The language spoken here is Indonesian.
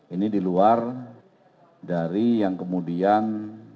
ini di luar dari yang kemudian